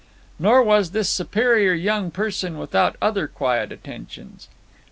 Nor was this superior young person without other quiet attentions.